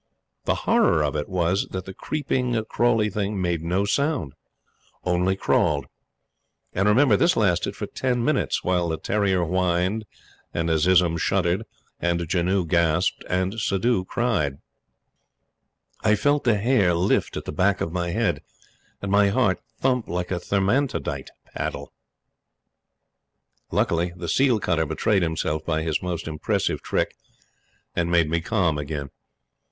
The horror of it was that the creeping, crawly thing made no sound only crawled! And, remember, this lasted for ten minutes, while the terrier whined, and Azizun shuddered, and Janoo gasped, and Suddhoo cried. I felt the hair lift at the back of my head, and my heart thump like a thermantidote paddle. Luckily, the seal cutter betrayed himself by his most impressive trick and made me calm again.